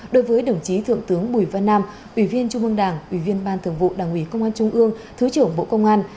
đối với đồng chí thượng tướng bùi văn nam ủy viên trung ương đảng ủy viên ban thường vụ đảng ủy công an trung ương thứ trưởng bộ công an